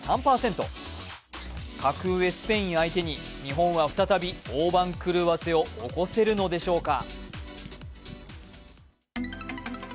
格上スペイン相手に日本は再び大番狂わせを起こせるのでしょうか。